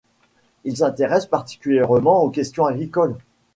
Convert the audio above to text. Il s'intéresse particulièrement aux questions agricoles.